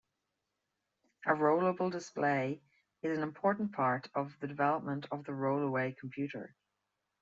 A rollable display is an important part of the development of the roll-away computer.